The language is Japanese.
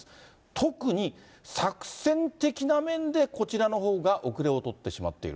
特に作戦的な面で、こちらのほうが後れを取ってしまっている。